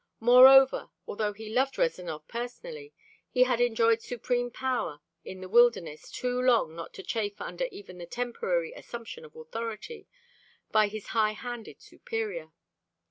Moreover, although he loved Rezanov personally, he had enjoyed supreme power in the wilderness too long not to chafe under even the temporary assumption of authority by his high handed superior.